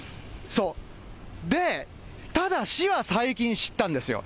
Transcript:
で、ただ市は最近、知ったんですよ。